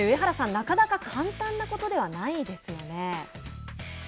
なかなか簡単なことではないですよね。